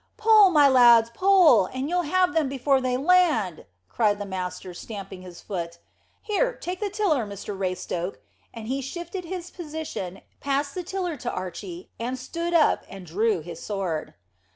"Pull, my lads, pull, and you'll have them before they land!" cried the master, stamping his foot. "Here, take the tiller, Mr Raystoke;" and he shifted his position, passed the tiller to Archy, and stood up and drew his sword.